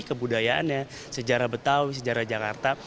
kebudayaannya sejarah betawi sejarah jakarta